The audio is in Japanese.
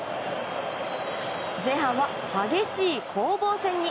前半は激しい攻防戦に。